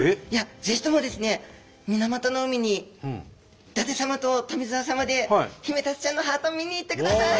ぜひともですね水俣の海に伊達様と富澤様でヒメタツちゃんのハートを見に行ってください！